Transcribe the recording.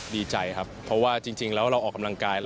ดีใจครับเพราะว่าจริงแล้วเราออกกำลังกาย